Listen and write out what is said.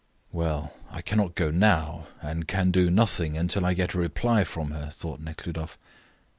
"Well, I cannot go now, and can do nothing until I get a reply from her," thought Nekhludoff.